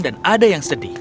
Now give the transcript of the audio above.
dan ada yang sedih